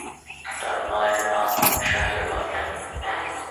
তার মায়ের নাম শাহের বানু।